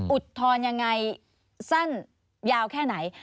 อุทธรณ์ยังไงสั้นยาวแค่ไหน